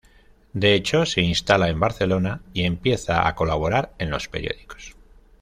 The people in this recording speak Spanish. De hecho, se instala en Barcelona y empieza a colaborar en los periódicos.